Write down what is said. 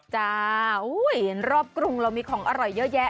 เห็นรอบกรุงเรามีของอร่อยเยอะแยะ